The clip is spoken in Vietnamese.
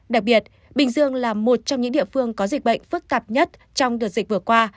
đặc biệt bình dương là một trong những địa phương có dịch bệnh phức tạp nhất trong đợt dịch vừa qua